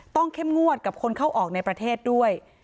เข้มงวดกับคนเข้าออกในประเทศด้วย